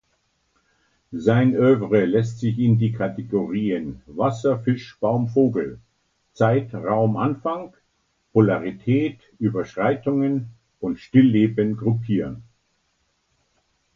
Sein Œuvre lässt sich in die Kategorien „Wasser-Fisch-Baum-Vogel“, „Zeit-Raum-Anfang“, „Polarität-Überschreitungen“ und „Stilleben“ gruppieren.